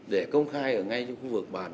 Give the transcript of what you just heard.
để công khai ở ngay trong khu vực bàn